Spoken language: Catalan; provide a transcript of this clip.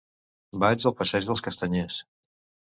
Vaig al passeig dels Castanyers.